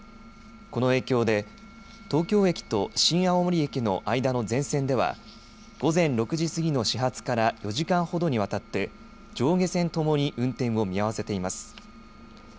この影響で東京駅と新青森駅の間の全線では午前６時過ぎの始発から４時間ほどにわたって上下線ともに運転を見合わせています。